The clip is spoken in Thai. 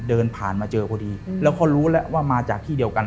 เดินผ่านมาเจอพอดีแล้วก็รู้แล้วว่ามาจากที่เดียวกัน